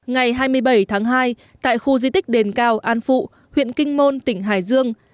ngày hai mươi bảy tháng hai tại khu di tích đền cao an phụ huyện kinh môn tỉnh hải dương